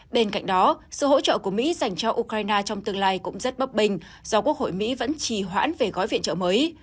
bên cạnh đó sự hỗ trợ của mỹ dành cho ukraine trong tương lai cũng rất bấp bình do quốc hội mỹ vẫn trì hoãn về gói viện trợ mới